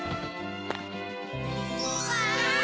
うわ！